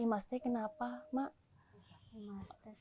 imas ini kenapa imas